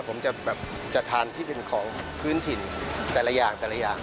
ผมจะแบบจะทานที่เป็นของพื้นถิ่นแต่ละอย่างแต่ละอย่าง